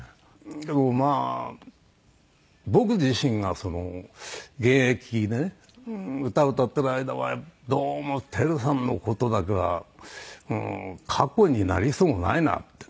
でもまあ僕自身が現役でね歌歌ってる間はどうも輝さんの事だけは過去になりそうもないなって。